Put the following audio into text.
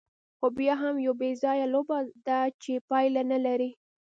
خو بیا هم یوه بېځایه لوبه ده، چې پایله نه لري.